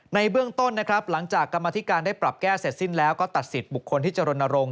ในเบื้องต้นนะครับหลังจากกรรมธิการได้ปรับแก้เสร็จสิ้นแล้วก็ตัดสิทธิ์บุคคลที่จะรณรงค